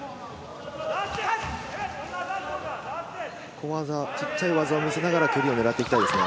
小技、小さい技を見せながら蹴りを狙っていきたいですね。